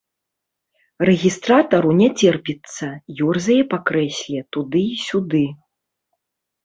Рэгістратару не цярпіцца, ёрзае па крэсле туды і сюды.